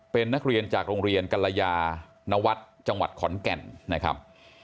เป็นนักเรียนจากโรงเรียนกรยานวัฒน์จังหวัดขอนแก่นนะครับ